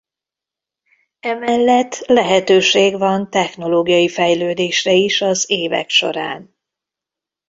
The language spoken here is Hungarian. Emellett lehetőség van technológiai fejlődésre is az évek során.